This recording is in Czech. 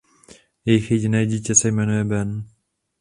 Jejich jediné dítě se jmenuje Ben.